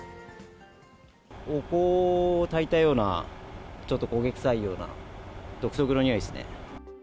お香をたいたような、ちょっと焦げ臭いような、独特のにおいですね。